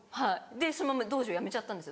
でそのまま道場やめちゃったんです